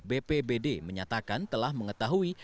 bpbd menyatakan telah mengetahui